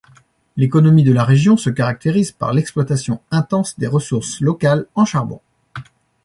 L'économie de la région se caractérise par l'exploitation intense des ressources locales en charbon.